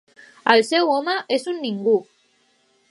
El seu home és un ningú.